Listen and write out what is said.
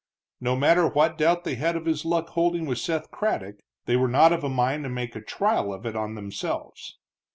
No matter what doubt they had of his luck holding with Seth Craddock, they were not of a mind to make a trial of it on themselves.